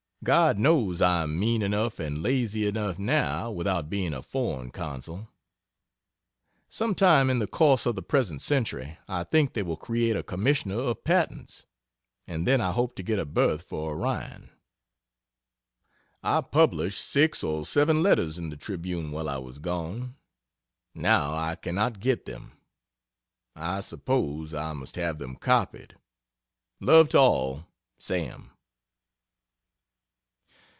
God knows I am mean enough and lazy enough, now, without being a foreign consul. Sometime in the course of the present century I think they will create a Commissioner of Patents, and then I hope to get a berth for Orion. I published 6 or 7 letters in the Tribune while I was gone, now I cannot get them. I suppose I must have them copied. Love to all SAM.